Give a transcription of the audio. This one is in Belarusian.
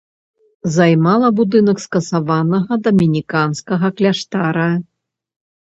Займала будынак скасаванага дамініканскага кляштара.